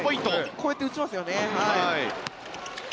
こうやって打ちますよね。